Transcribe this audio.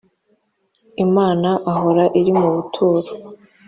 imana aho iri mu buturo